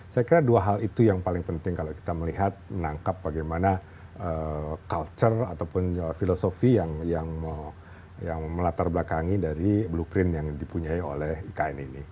saya kira dua hal itu yang paling penting kalau kita melihat menangkap bagaimana culture ataupun filosofi yang melatar belakangi dari blueprint yang dipunyai oleh ikn ini